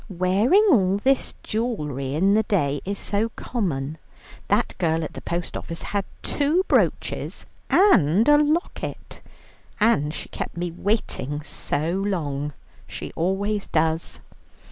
"Wearing all this jewellery in the day is so common. That girl at the post office had two brooches and a locket, and she kept me waiting so long; she always does."